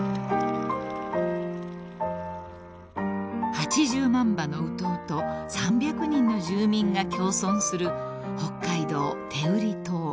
［８０万羽のウトウと３００人の住民が共存する北海道天売島］